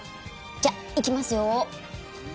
じゃあいきますよ。